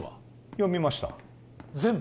読みました全部？